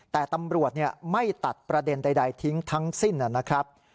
แต่ตำรวจไม่ตัดประเด็นใดทิ้งทั้งสิ้นนะครับ